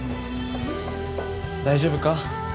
大丈夫か？